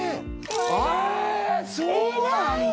えそうなんだ！